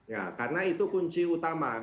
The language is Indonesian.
ya karena itu kunci utama